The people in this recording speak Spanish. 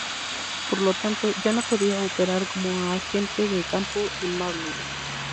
Por lo tanto ya no podía operar como agente de campo de Marlowe.